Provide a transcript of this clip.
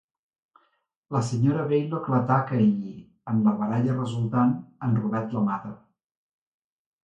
La senyora Baylock l'ataca i, en la baralla resultant, en Robert la mata.